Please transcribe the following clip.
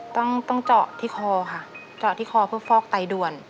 ต้องต้องเจาะที่คอค่ะเจาะที่คอเพื่อฟอกไตด่วน